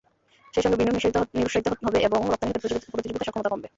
সেই সঙ্গে বিনিয়োগ নিরুৎসাহিত হবে এবং রপ্তানি খাতের প্রতিযোগিতা সক্ষমতা কমবে।